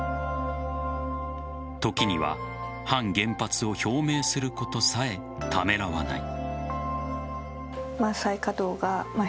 時には反原発を表明することさえためらわない。